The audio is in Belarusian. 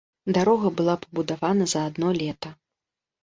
Дарога была пабудавана за адно лета.